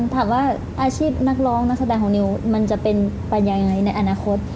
ถามว่าอาชีพนักร้องนักแสดงของนิวมันจะเป็นไปยังไงในอนาคต